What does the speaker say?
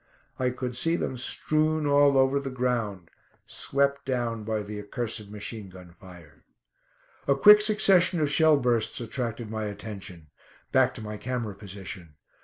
I could see them strewn all over the ground, swept down by the accursed machine gun fire. A quick succession of shell bursts attracted my attention. Back to my camera position.